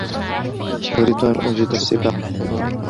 أُرِيدُ أَنْ أُجِيدَ السِّبَاحَةَ.